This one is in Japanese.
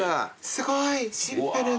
すごいシンプルに。